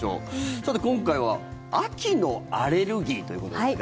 さて、今回は秋のアレルギーということですが。